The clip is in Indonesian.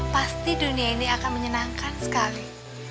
pasti dunia ini akan menyenangkan sekali